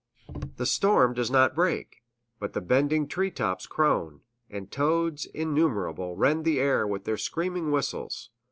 [B] The storm does not break, but the bending tree tops crone, and toads innumerable rend the air with their screaming whistles.